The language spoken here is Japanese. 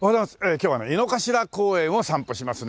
今日はね井の頭公園を散歩しますね。